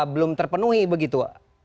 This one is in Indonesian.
belum terpenuhi begitu